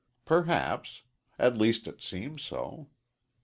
Perhaps. At least, it seems so.